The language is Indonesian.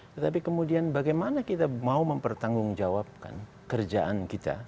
tetapi kemudian bagaimana kita mau mempertanggungjawabkan kerjaan kita